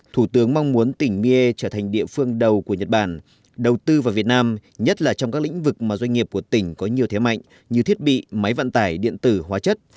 thủ tướng mong muốn tỉnh miên trở thành địa phương đầu của nhật bản đầu tư vào việt nam nhất là trong các lĩnh vực mà doanh nghiệp của tỉnh có nhiều thế mạnh như thiết bị máy vận tải điện tử hóa chất